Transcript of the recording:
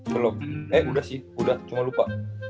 kalau eh udah sih udah cuma lupa